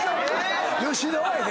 吉田はやで。